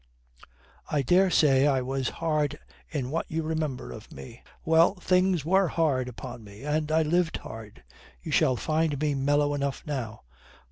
I dare say I was hard in what you remember of me. Well, things were hard upon me and I lived hard. You shall find me mellow enough now."